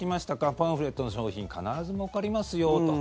パンフレットの商品必ずもうかりますよと。